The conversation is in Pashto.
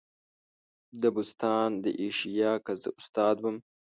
دبستان د ایشیا که زه استاد وم.